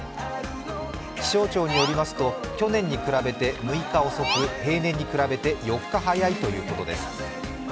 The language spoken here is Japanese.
気象庁によりますと去年に比べて６日遅く平年に比べて４日早いということです。